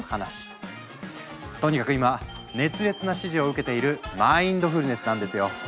とにかく今熱烈な支持を受けているマインドフルネスなんですよ！